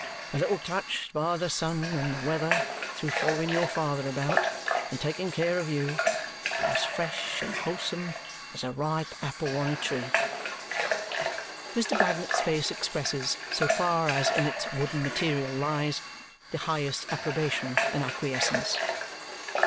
A little touched by the sun and the weather through following your father about and taking care of you, but as fresh and wholesome as a ripe apple on a tree." Mr. Bagnet's face expresses, so far as in its wooden material lies, the highest approbation and acquiescence.